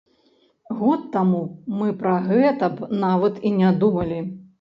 Год таму мы пра гэта б нават і не думалі.